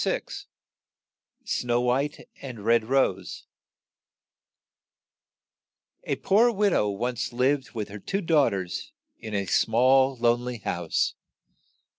28 SNOW WHITE AND RED ROSE A POOR wid ow once lived with her two daugh ters in a small lone ly house.